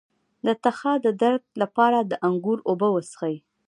د تخه د درد لپاره د انګور اوبه وڅښئ